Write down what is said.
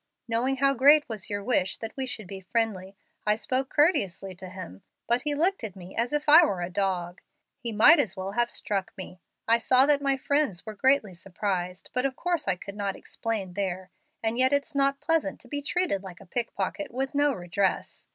Knowing how great was your wish that we should be friendly, I spoke courteously to him, but he looked at me as if I were a dog. He might as well have struck me. I saw that my friends were greatly surprised, but of course I could not explain there, and yet it's not pleasant to be treated like a pickpocket, with no redress.